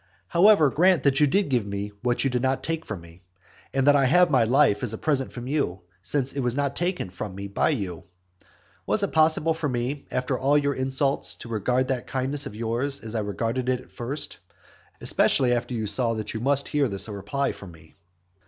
However, grant that you did give me what you did not take away from me; and that I have my life as a present from you, since it was not taken from me by you; was it possible for me, after all your insults, to regard that kindness of yours as I regarded it at first, especially after you saw that you must hear this reply from me?